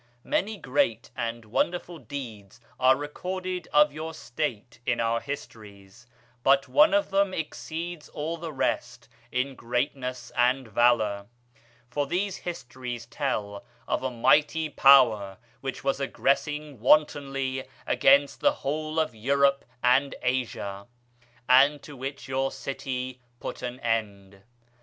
Many great and wonderful deeds are recorded of your State in our histories; but one of them exceeds all the rest in greatness and valor; for these histories tell of a mighty power which was aggressing wantonly against the whole of Europe and Asia, and to which your city put an end.